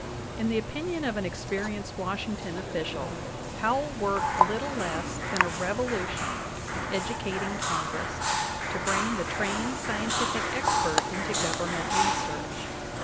In the opinion of an experienced Washington official; Powell worked little less than a revolution in educating Con gress to bring the trained scientific expert into Government research.